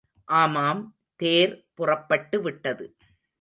ஆமாம், தேர் புறப்பட்டுவிட்டது.